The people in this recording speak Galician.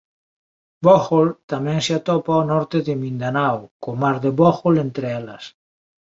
Bohol tamén se atopa ao norte de Mindanao co Mar de Bohol entre elas.